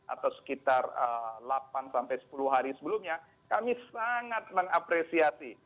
atau sekitar delapan sampai sepuluh hari sebelumnya kami sangat mengapresiasi